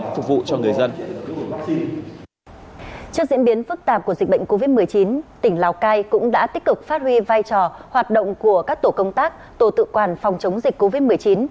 tỉnh lào cai cũng đã tích cực phát huy vai trò hoạt động của các tổ công tác tổ tự quản phòng chống dịch covid một mươi chín